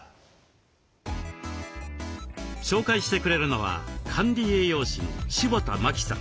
紹介してくれるのは管理栄養士の柴田真希さん。